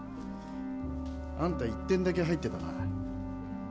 あんた１点だけ入ってたな。